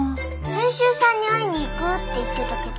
編集さんに会いに行くって言ってたけど。